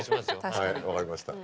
はい分かりました。